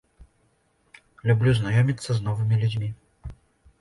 Люблю знаёміцца з новымі людзьмі.